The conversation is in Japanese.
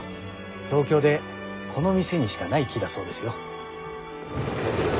東京でこの店にしかない木だそうですよ。